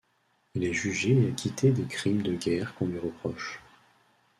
Il est jugé et acquitté des crimes de guerre qu'on lui reproche.